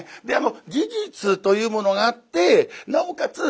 事実というものがあってなおかつ